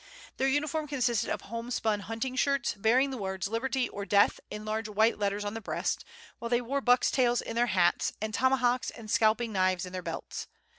Their uniform consisted of homespun hunting shirts, bearing the words "Liberty or Death" in large white letters on the breast, while they wore bucks' tails in their hats and tomahawks and scalping knives in their belts.